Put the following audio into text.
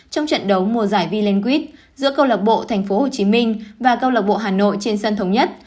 trong trận đấu mùa giải v leng quýt giữa câu lạc bộ tp hcm và câu lạc bộ hà nội trên sân thống nhất